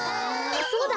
そうだ！